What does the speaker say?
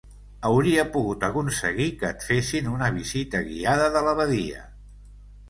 Hauria pogut aconseguir que et fessin una visita guiada de la badia!